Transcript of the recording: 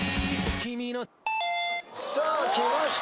「君の」さあきました